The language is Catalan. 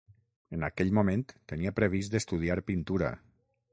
En aquell moment tenia previst estudiar pintura.